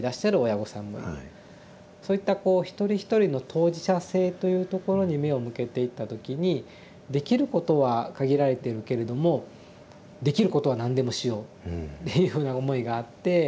そういったこう一人一人の当事者性というところに目を向けていった時にできることは限られているけれどもできることは何でもしようっていうような思いがあって。